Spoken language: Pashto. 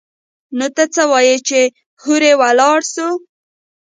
نو ته څه وايي چې هورې ولاړ سو؟